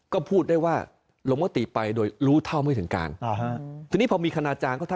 ก็พูดได้ว่าลงวะตีไปโดยรู้เท่าไม่ถึงกัน